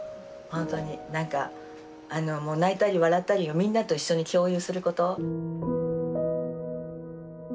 ほんとに何かあのもう泣いたり笑ったりをみんなと一緒に共有すること。